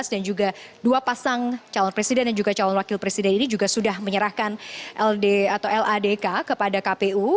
dan juga dua pasang calon presiden dan juga calon wakil presiden ini juga sudah menyerahkan ld atau ladk kepada kpu